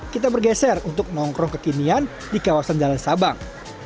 kita bergeser untuk nongkrong kekinian di kawasan jalan sabang